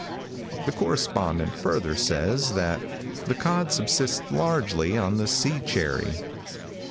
The correspondent further says, that "the cod subsists largely on the sea cherry."